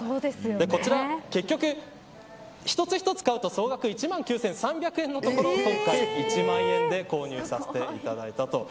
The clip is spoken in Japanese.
こちら結局、一つ一つ買うと総額１万９３００円のところを１万円で購入させていただいた